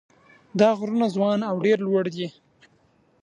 دا غرونه ځوان او ډېر لوړ دي.